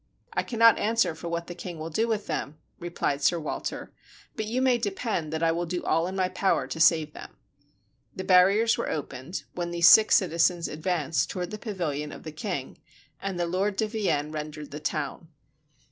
"I cannot answer for what the king will do with them," replied Sir Walter, "but you may depend that I will do all in my power to save them." The barriers were opened, when these six citizens advanced toward the pavilion of the king, and the Lord de Vienne rendered the town.